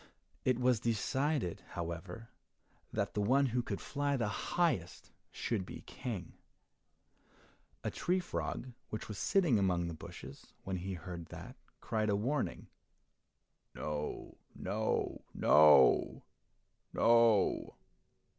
It was decided, however, that the one who could fly the highest should be King. A tree frog which was sitting among the bushes, when he heard that, cried a warning, "No, no, no! no!"